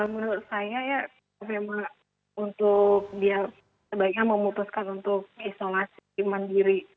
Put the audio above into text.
menurut saya ya memang untuk dia sebaiknya memutuskan untuk isolasi mandiri